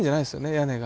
屋根が。